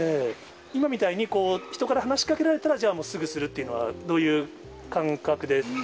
今みたいに人から話しかけられたら、すぐするっていうのは、どういう感覚で？